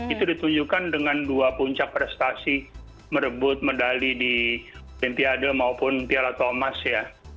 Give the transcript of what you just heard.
itu ditunjukkan dengan dua puncak prestasi merebut medali di olimpiade maupun piala thomas ya